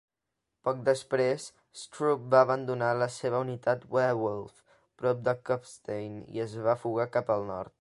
Poc després, Stroop va abandonar la seva unitat Werwolf prop de Kufstein i es va fugar cap al nord.